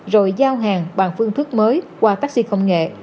rồi giao hàng bằng phương thức mới qua taxi công nghệ